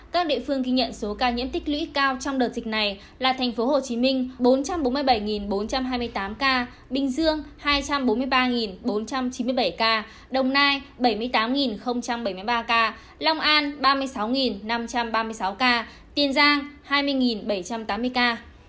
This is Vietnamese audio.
các địa phương ghi nhận số ca nhiễm tích lũy cao trong đợt dịch này là tp hcm bốn trăm bốn mươi bảy bốn trăm hai mươi tám ca bình dương hai trăm bốn mươi ba bốn trăm chín mươi bảy ca đồng nai bảy mươi tám bảy mươi ba ca long an ba mươi sáu năm trăm ba mươi sáu ca tiên giang hai mươi bảy trăm tám mươi ca